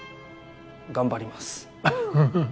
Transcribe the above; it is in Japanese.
頑張ります。